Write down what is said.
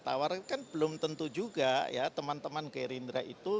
tawarkan kan belum tentu juga ya teman teman gerindra itu